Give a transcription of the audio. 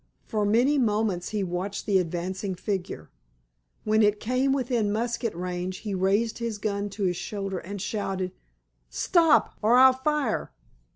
For many moments he watched the advancing figure. When it came within musket range he raised his gun to his shoulder and shouted: "Stop, or I'll fire!"